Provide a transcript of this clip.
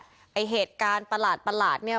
ไอ้เหตุการณ์ประหลาดเนี่ย